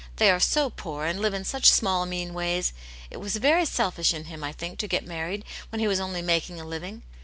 They are so poor, and live in such small, mean ways. It was very selfish in him, I think, to get married when he was only making a living."